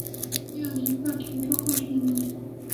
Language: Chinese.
没有一个提出的候选人称为结婚对象。